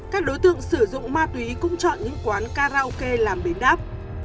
các đối tượng sử dụng ma túy cũng chọn những quán karaoke làm bến đáp